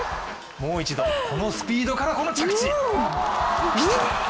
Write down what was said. もう一度、このスピードからこの着地、ピタッ。